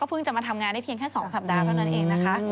เพิ่งจะมาทำงานได้เพียงแค่๒สัปดาห์เท่านั้นเองนะคะ